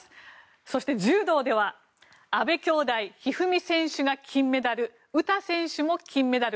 そして、柔道では阿部兄妹、一二三選手が金メダル詩選手も金メダル。